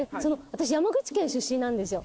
私山口県出身なんですよ。